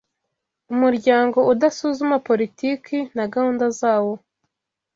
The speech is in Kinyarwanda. Umuryango udasuzuma politiki na gahunda zawo